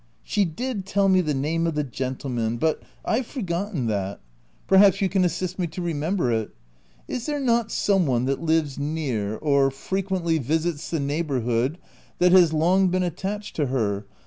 She did tell me the name of the gentleman, but I've 278 THE TENANT forgotten that. Perhaps you can assist me to remember it. Is there not some one that lives near — or frequently visits the neighbourhood, that has long been attached to her